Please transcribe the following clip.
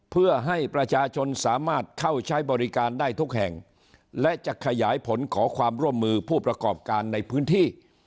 เพื่อให้ประชาชนสามารถเข้าใช้บริการได้ทุกแห่งและจะขยายผลขอความร่วมมือผู้ประกอบการในพื้นที่